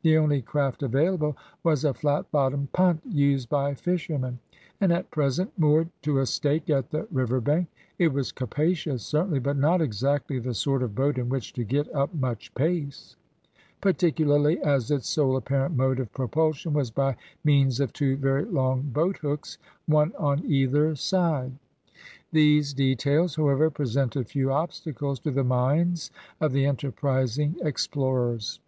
The only craft available was a flat bottomed punt used by fishermen, and at present moored to a stake at the river bank. It was capacious, certainly, but not exactly the sort of boat in which to get up much pace, particularly as its sole apparent mode of propulsion was by means of two very long boat hooks, one on either side. These details, however, presented few obstacles to the minds of the enterprising explorers.